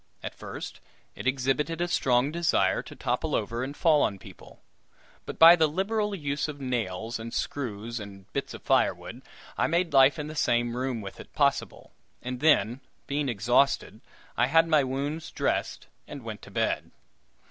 At first it exhibited a strong desire to topple over and fall on people, but by the liberal use of nails and screws and bits of firewood, I made life in the same room with it possible, and then, being exhausted, I had my wounds dressed, and went to bed.